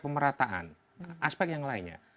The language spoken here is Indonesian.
pemerataan aspek yang lainnya